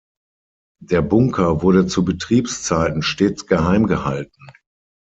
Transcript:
Der Bunker wurde zu Betriebszeiten stets geheim gehalten.